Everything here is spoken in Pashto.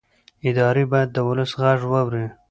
ادارې باید د ولس غږ واوري